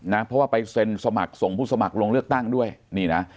นะเพราะว่าไปเซ็นสมัครส่งผู้สมัครลงเลือกตั้งด้วยนี่นะ